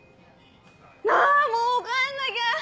あもう帰んなきゃ！